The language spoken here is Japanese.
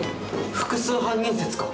複数犯人説か。